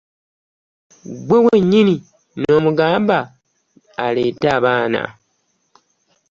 Gwe wennyini nomugamba aleete abaana.